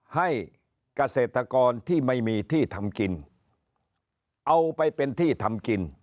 ให้เกษตรกรที่ไม่มีที่ทำกินเอาไปเป็นที่ทำกิน